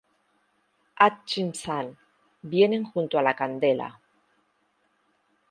Ut-chipzan, vienen junto a la candela.